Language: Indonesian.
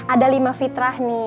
ada lima fitrah nih